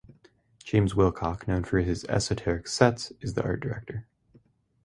James Willcock, known for his esoteric sets, is the art director.